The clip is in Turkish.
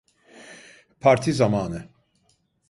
Parti zamanı!